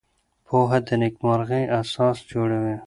پوهه د نېکمرغۍ اساس جوړوي.